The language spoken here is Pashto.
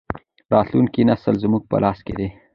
راتلونکی نسل زموږ په لاس کې دی.